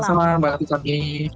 selamat malam mbak ati sabi